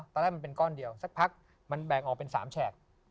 ตอนแรกมันเป็นก้อนเดียวสักพักมันแบ่งออกเป็น๓แฉก